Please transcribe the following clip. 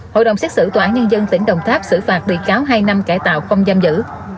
hội đồng xét xử tòa án nhân dân tỉnh đồng tháp xử phạt bị cáo hai năm cải tạo không giam giữ